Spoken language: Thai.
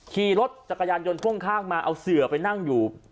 ขี่รถจักรยานยนต์พ่วงข้างมาเอาเสือไปนั่งอยู่